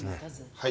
はい。